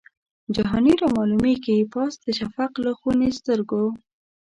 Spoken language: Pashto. جهاني رامعلومیږي پاس د شفق له خوني سترګو